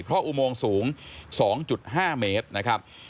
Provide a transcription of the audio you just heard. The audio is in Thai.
เพราะอุโมงสูง๒๕เมตรนะครับ